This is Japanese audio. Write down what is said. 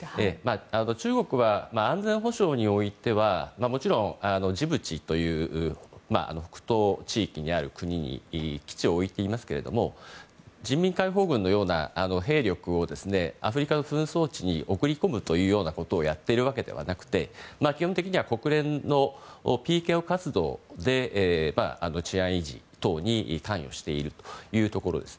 中国は安全保障においてはもちろん、ジブチという北東地域にある国に基地を置いていますけれども人民解放軍のような兵力をアフリカの紛争地に送り込むということをやっているわけではなくて基本的には国連のＰＫＯ活動で治安維持等にか関与しているというところです。